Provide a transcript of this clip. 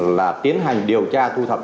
là tiến hành điều tra thu thập